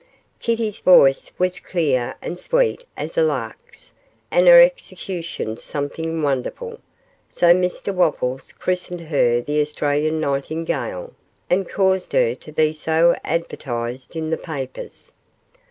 Kitty's voice was clear and sweet as a lark's, and her execution something wonderful, so Mr Wopples christened her the Australian Nightingale, and caused her to be so advertised in the papers.